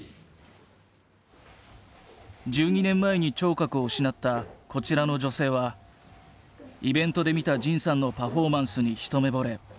１２年前に聴覚を失ったこちらの女性はイベントで見た仁さんのパフォーマンスに一目ぼれ。